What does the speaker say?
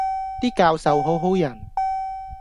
啲教授好好人